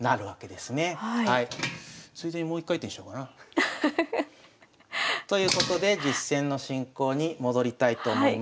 ついでにもう一回転しようかな。ということで実戦の進行に戻りたいと思います。